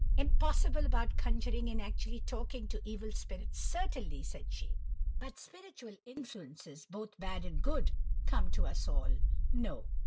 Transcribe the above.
"Impossible about conjuring and actually talking to evil spirits, certainly," said she; "but spiritual influences, both bad and good, come to us all, No.